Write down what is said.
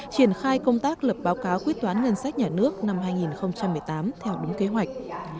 triển khai công tác lập báo cáo quyết toán ngân sách nhà nước năm hai nghìn một mươi tám theo đúng kế hoạch